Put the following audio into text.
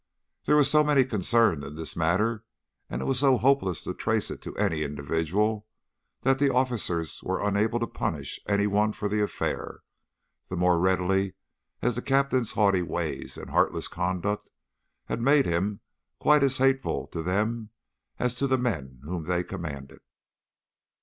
There were so many concerned in this matter, and it was so hopeless to trace it to any individual, that the officers were unable to punish any one for the affair the more readily as the captain's haughty ways and heartless conduct had made him quite as hateful to them as to the men whom they commanded.